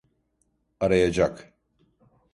Arayacak.